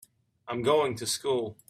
I'm going to school.